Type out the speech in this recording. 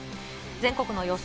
全国の予想